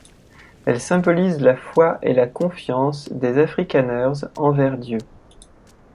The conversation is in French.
Elle symbolise la foi et la confiance des Afrikaners envers Dieu.